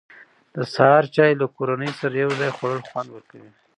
د سهار چای له کورنۍ سره یو ځای خوړل خوند ورکوي.